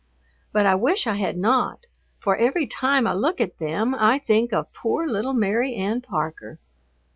But I wish I had not, for every time I look at them I think of poor little Mary Ann Parker.